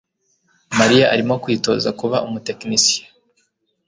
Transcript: Mariya arimo kwitoza kuba umutekinisiye